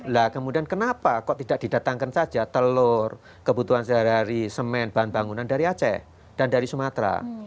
nah kemudian kenapa kok tidak didatangkan saja telur kebutuhan sehari hari semen bahan bangunan dari aceh dan dari sumatera